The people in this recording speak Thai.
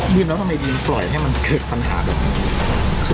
ด้วยแล้วทำไมดินปล่อยให้มันเกิดปัญหาแบบขึ้น